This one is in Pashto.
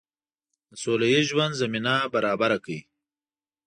د سوله ییز ژوند زمینه برابره کړي.